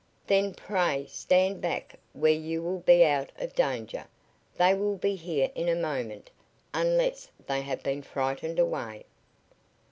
"Then pray stand back where you will be out of danger. They will be here in a moment, unless they have been frightened away."